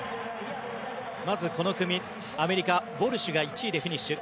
まずこの組、アメリカウォルシュが１位でフィニッシュ。